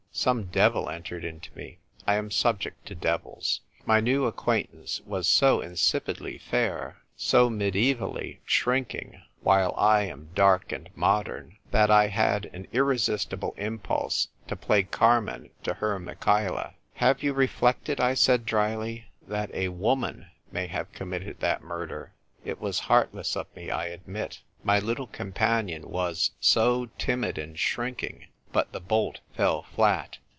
Some devil entered into me. I am subject to devils. My new acquaintance was so in sipidly fair, so mediaevally shrinking, while I am dark and modern, that 1 had an irre sistible impulse to play Carmen to her Michaela. " Have you reflected," I said drily, " that a woman may have committed that murder ?" It was heartless of me, I admit. My little companion was so timid and shrinking. But the bolt fell flat.